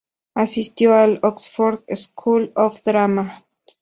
Asistió al "Oxford School of Drama".